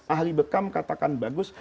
ahli bekam katakan bagus